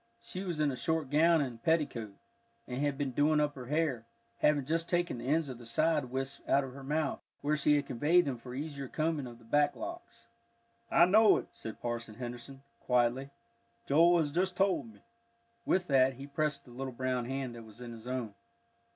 She was in a short gown and petticoat, and had been doing up her hair, having just taken the ends of the side wisps out of her mouth, where she had conveyed them for the easier combing of the back locks. "I know it," said Parson Henderson, quietly; "Joel has just told me." With that he pressed the little brown hand that was in his own.